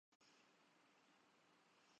ہمیں مہمانوں کا پورا پروٹوکول دیا گیا